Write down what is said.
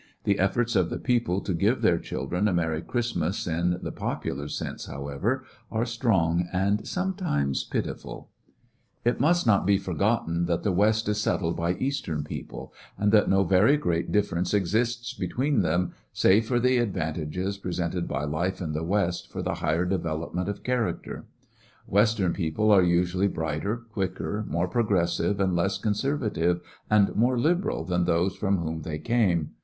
The efforts of the people to give their children a merry Christ mas in the popular sense, however, are strong and sometimes pitiful. Poor founda It must not be forgotten that the West is settled by Eastern people, and that no very great difference exists between them, save for the advantages presented by life in the West for the higher development of character. Western people are usually brighter, quicker, more progressive, and less conservative and more liberal than those from whom they came.